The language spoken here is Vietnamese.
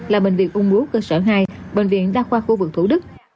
là bệnh viện ung búa cơ sở hai bệnh viện đa khoa khu vực thủ đức